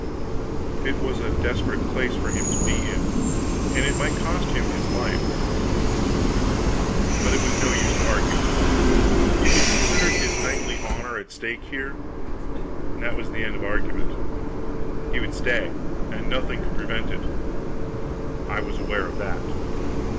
It was a desperate place for him to be in, and might cost him his life, but it was no use to argue with him. If he considered his knightly honor at stake here, that was the end of argument; he would stay, and nothing could prevent it; I was aware of that.